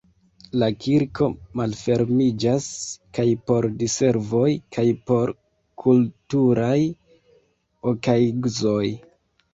La kirko malfermiĝas kaj por diservoj kaj por kulturaj okaigzoj.